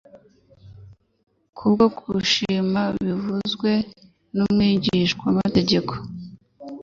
kubwo gushima ibivuzwe n'umwigishamategeko.